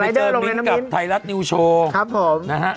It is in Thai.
เดี๋ยวไปเจอมิ้นท์กับไทรรัฐนิวโชว์นะฮะครับ